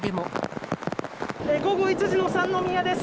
午後１時の三宮です。